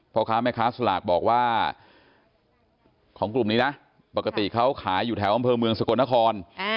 พ่อค้าแม่ค้าสลากบอกว่าของกลุ่มนี้นะปกติเขาขายอยู่แถวอำเภอเมืองสกลนคร